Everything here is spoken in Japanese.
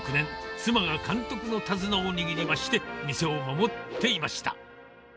妻が監督の手綱を握りまして、店を守っていました。